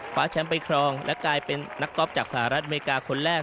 แชมป์ไปครองและกลายเป็นนักต๊อปจากสหรัฐอเมริกาคนแรก